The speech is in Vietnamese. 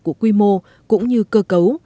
của quy mô cũng như cơ cấu